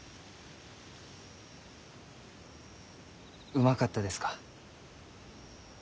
うまかったですか？